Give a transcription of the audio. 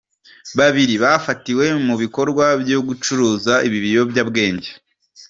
Babiri bafatiwe mu bikorwa byo gucuruza ibiyobya bwenge